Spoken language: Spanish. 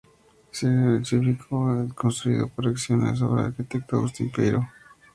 El singular edificio, construido por Acciona, es obra del arquitecto Agustín Peiró.